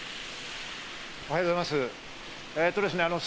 おはようございます。